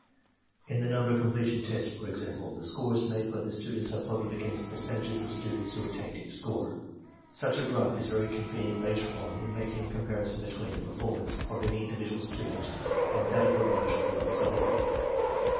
In the number completion test, for example, the scores made by the students are plotted against the percentages of students who attained each score. Such a graph is very convenient later on in making a comparison between the performance of any in dividual student and that of the large group as a whole.